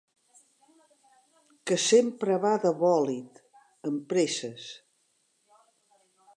Que sempre va de bòlit, amb presses.